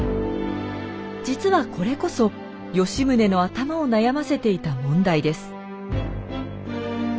実はこれこそ吉宗の頭を悩ませていた問題です。